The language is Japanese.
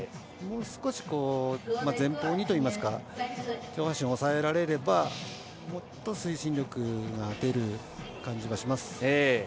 もう少し、前方にというか上半身を抑えられればもっと推進力が出る感じはします。